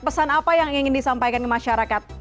pesan apa yang ingin disampaikan ke masyarakat